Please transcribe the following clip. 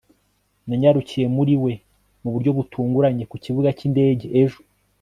nanyarukiye muri we mu buryo butunguranye ku kibuga cy'indege ejo